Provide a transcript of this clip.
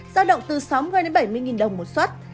giao động từ sáu mươi bảy mươi nghìn đồng một suất